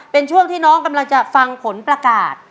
เป็นช่วงที่น้องกำลังจะฟังผลประกาศ